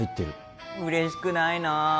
うれしくないな。